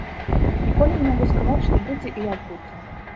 Ніколі не магу сказаць, што будзе і як будзе.